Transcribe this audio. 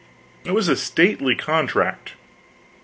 it was a stately contract.